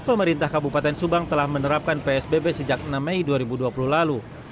pemerintah kabupaten subang telah menerapkan psbb sejak enam mei dua ribu dua puluh lalu